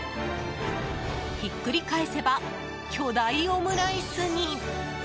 ひっくり返せば巨大オムライスに。